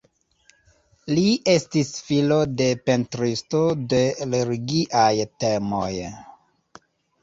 Li estis filo de pentristo de religiaj temoj.